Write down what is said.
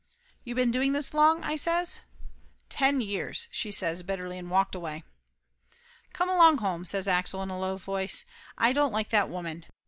"You been doing this long?" I says. "Ten years!" she says bitterly, and walked away. "Come along home," says Axel in a low voice. "Aye don't like that woman.